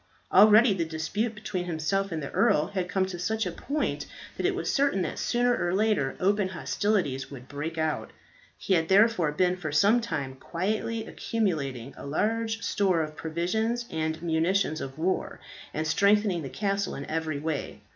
Already the dispute between himself and the earl had come to such a point that it was certain that sooner or later open hostilities would break out. He had therefore been for some time quietly accumulating a large store of provisions and munitions of war, and strengthening the castle in every way.